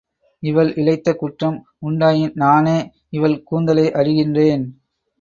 இவள் இழைத்த குற்றம் உண்டாயின் நானே இவள் கூந்தலை அரிகின்றேன்.